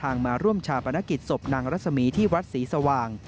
มาร่วมชาปนกิจศพนางรัศมีที่วัดศรีสว่าง